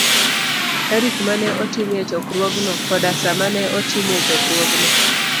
tarik ma ne otimie chokruogno, koda sa ma ne otimie chokruogno